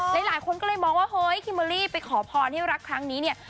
หลายคนก็เลยมองว่าเฮ้ยคิมเบอร์รี่ไปขอพรให้รักครั้งนี้เนี่ย